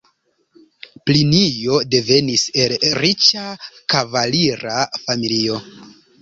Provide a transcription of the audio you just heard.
Plinio devenis el riĉa kavalira familio.